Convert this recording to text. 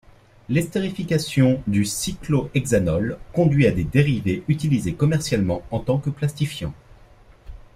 L'esterification du cyclohexanol conduit à des dérivés utilisés commercialement en tant que plastifiants.